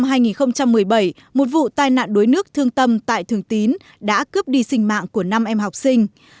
tháng bảy năm hai nghìn một mươi bảy một vụ tai nạn đối nước thương tâm tại thường tín đã cướp đi sinh mạng của năm em học sinh